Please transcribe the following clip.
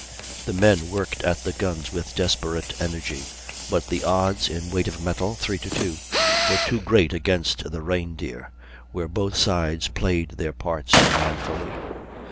The men worked at the guns with desperate energy, but the odds in weight of metal (3 to 2) were too great against the Reindeer, where both sides played their parts so manfully.